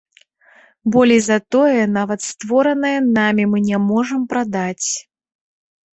Болей за тое, нават створанае намі мы не можам прадаць.